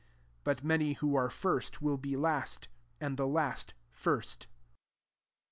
31 But muiy who are first will be last; and the last first.'